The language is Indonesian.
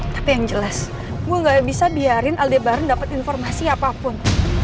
tapi yang jelas gue gak bisa biarin alde bareng dapat informasi apapun